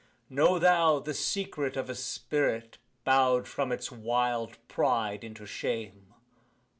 Know thou the secret of a spirit Bow'd from its wild pride into shame.